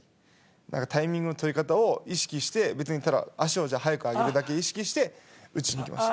だからタイミングの取り方を意識して別にただ足を早く上げるだけ意識して打ちにいきました。